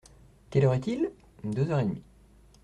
Quelle heure est-il ? Deux heures et demie.